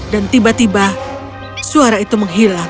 dan tiba tiba suara itu menghilang